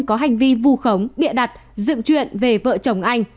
có hành vi vù khống bịa đặt dựng chuyện về vợ chồng anh